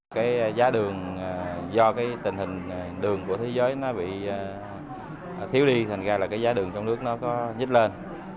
cái giá đường do cái tình hình đường của thế giới nó bị thiếu đi thành ra là cái giá đường trong nước nó có nhích lên